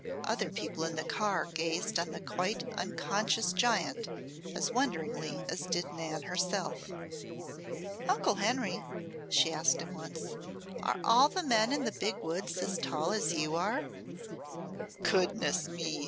Other people in the car gazed on the quite unconscious giant as wonderingly as did Nan herself. "Uncle Henry," she asked him once, "are all the men in the Big Woods as tall as you are?" "Goodness me!